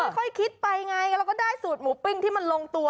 ค่อยคิดไปไงเราก็ได้สูตรหมูปิ้งที่มันลงตัว